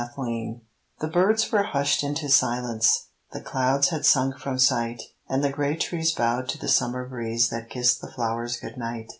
Twilight The birds were hushed into silence, The clouds had sunk from sight, And the great trees bowed to the summer breeze That kissed the flowers good night.